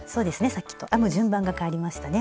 さっきと編む順番がかわりましたね。